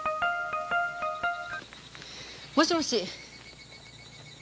もしもし。